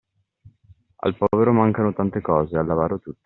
Al povero mancano tante cose, all'avaro tutte.